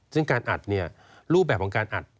ซึ่งการอัดเนี่ยรูปแบบของการอัด